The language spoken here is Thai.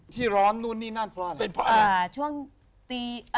ที่ร้อนนู่นนี่นั่นเพราะอะไร